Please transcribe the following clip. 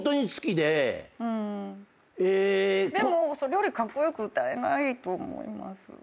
でもそれよりカッコ良く歌えないと思います。